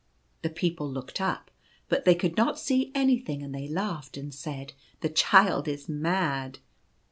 The people looked up, but they could not see any thing, and they laughed and said, " The child is mad."